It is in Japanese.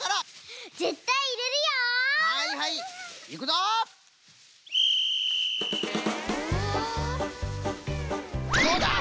どうだ！？